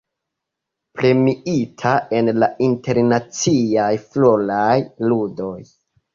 Premiita en la Internaciaj Floraj Ludoj.